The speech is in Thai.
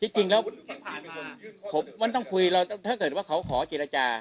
จริงแล้วที่ผ่านมาผมมันต้องคุยเราถ้าเกิดว่าเขาขอเจรจา